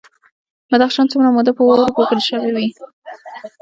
بدخشان څومره موده په واورو پوښل شوی وي؟